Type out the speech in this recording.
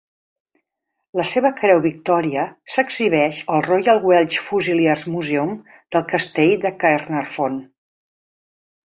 La seva Creu Victòria s'exhibeix al "Royal Welch Fusiliers Museum" del castell de Caernarfon.